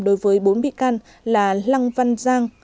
đối với bốn bị can là lăng văn giang